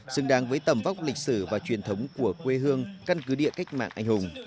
xứng đáng với tầm vóc lịch sử và truyền thống của quê hương căn cứ địa cách mạng anh hùng